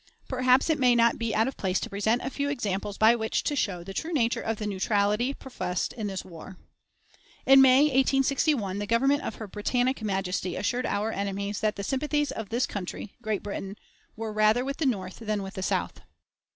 Perhaps it may not be out of place to present a few examples by which to show the true nature of the neutrality professed in this war. In May, 1861, the Government of her Britannic Majesty assured our enemies that "the sympathies of this country [Great Britain] were rather with the North than with the South."